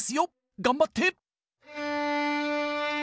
頑張って！